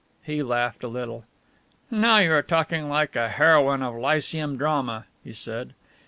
He laughed a little. "Now you are talking like a heroine of Lyceum drama," he said.